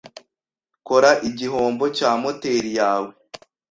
Kora igihombo cya moteri yawe